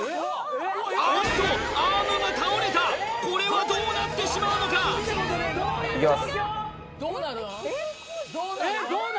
あっとアームが倒れたこれはどうなってしまうのかいきます